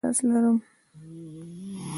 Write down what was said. زه د سهار پر مهال تر ټولو ښه احساس لرم.